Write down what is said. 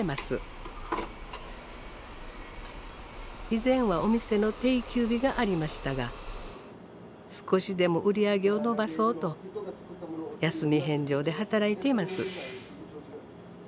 以前はお店の定休日がありましたが少しでも売り上げを伸ばそうと休み返上で働いています。